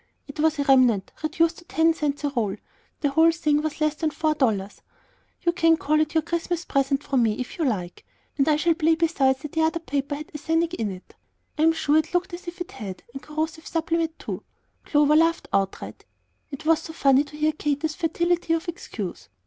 It was a remnant reduced to ten cents a roll, the whole thing was less than four dollars. You can call it your Christmas present from me, if you like, and I shall 'play' besides that the other paper had arsenic in it; I'm sure it looked as if it had, and corrosive sublimate, too." Clover laughed outright. It was so funny to hear Katy's fertility of excuse.